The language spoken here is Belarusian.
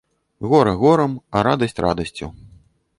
Гора горам, а радасць радасцю.